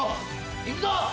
行くぞ！